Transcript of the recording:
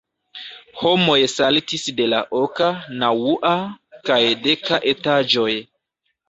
Homoj saltis de la oka, naŭa, kaj deka etaĝoj.